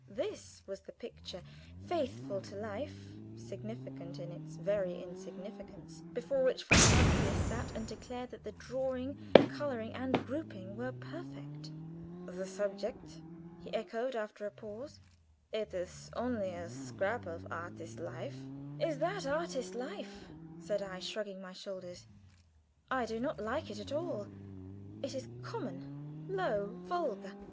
This was the picture; faithful to life, significant in its very insignificance, before which von Francius sat, and declared that the drawing, coloring, and grouping were perfect.[B] [Footnote B: The original is by Charles Herman, of Brussels.] "The subject?" he echoed, after a pause. "It is only a scrap of artist life." "Is that artist life?" said I, shrugging my shoulders. "I do not like it at all; it is common, low, vulgar.